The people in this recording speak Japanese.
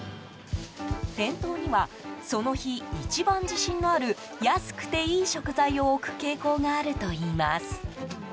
店頭にはその日、一番自信のある安くていい食材を置く傾向があるといいます。